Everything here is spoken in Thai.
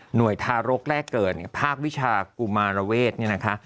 ทารกแรกเกิดภาควิชากุมารเวศเนี่ยนะคะ